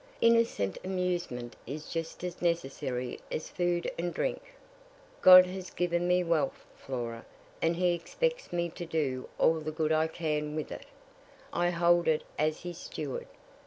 Innocent amusement is just as necessary as food and drink. "God has given me wealth, Flora, and he expects me to do all the good I can with it. I hold it as his steward.